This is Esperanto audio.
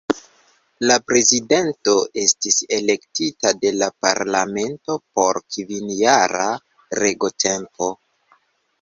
La Prezidento estis elektita de la Parlamento por kvinjara regotempo.